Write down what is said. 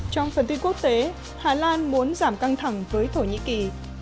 trong phần tin quốc tế hà lan muốn giảm căng thẳng với thổ nhĩ kỳ